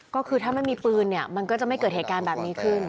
ก็คือถ้าไม่มีปืนเนี่ยมันก็จะไม่เกิดเหตุการณ์แบบนี้ขึ้น